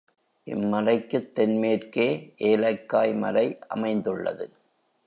இம் மலைக்குத் தென் மேற்கே ஏலக்காய் மலை அமைந்துள்ளது.